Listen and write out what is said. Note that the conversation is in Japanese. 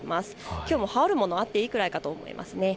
きょうも羽織るもの、あっていいかと思います。